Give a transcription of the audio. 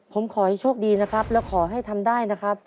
ผมขอให้โชคดีนะครับแล้วขอให้ทำได้นะครับ